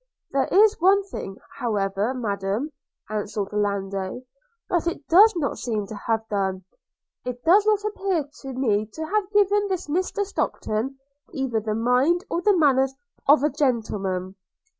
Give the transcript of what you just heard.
'There is one thing, however, Madam,' answered Orlando, 'that it does not seem to have done – It does not appear to me to have given this Mr Stockton, either the mind or the manners of a gentleman.'